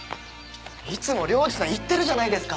いつも涼次さん言ってるじゃないですか